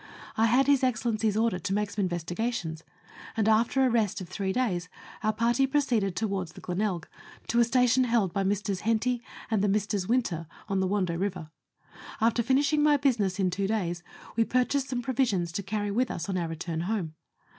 I had His Excellency's order to make some investigations, and, after a rest of three days, our party pro ceeded towards the Glenelg, to a station held by Messrs. Henty and the Messrs. Winter, on the Wando River. After finishing my business in two days, we purchased some provisions to carry with us on our return home.